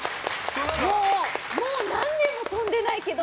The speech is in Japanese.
もう何年も跳んでないけど。